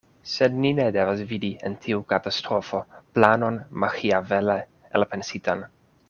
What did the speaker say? Sed ni ne devas vidi en tiu katastrofo planon maĥiavele elpensitan.